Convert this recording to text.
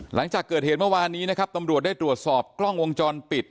หลังจากเกิดเหตุเมื่อวานนี้นะครับตำรวจได้ตรวจสอบกล้องวงจรปิด